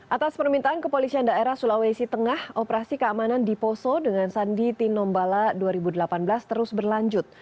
atas permintaan kepolisian daerah sulawesi tengah operasi keamanan di poso dengan sandi tinombala dua ribu delapan belas terus berlanjut